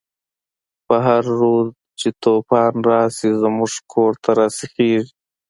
په هر رود چی توفان راشی، زمونږ کور ته راسیخیږی